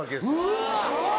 うわ！